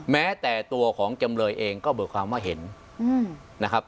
แม้แต่ตัวของจำเลยเองก็เบิกความว่าเห็นนะครับ